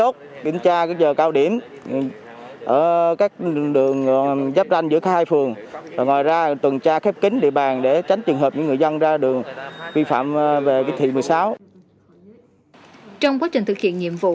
trong quá trình thực hiện nhiệm vụ